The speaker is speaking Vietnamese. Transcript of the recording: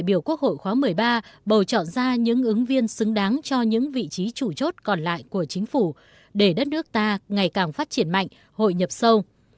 bầu chọn ra những ứng viên xứng đáng cho những vị trí chủ chốt còn lại của chính phủ để đất nước ta ngày càng phát triển mạnh hội nhập sâu